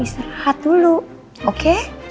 istirahat dulu oke